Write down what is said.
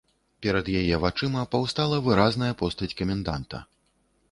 Перад яе вачыма паўстала выразная постаць каменданта.